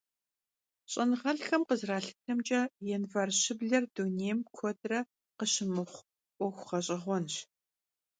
Ş'enığelh'xem khızeralhıtemç'e, yanvar şıbler dunêym kuedre khışımıxhu 'Uexu ğeş'eğuenş.